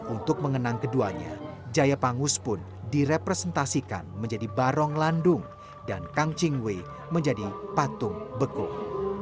untuk mengenang keduanya jaya pangus pun direpresentasikan menjadi barong landung dan kang ching wei menjadi patung beku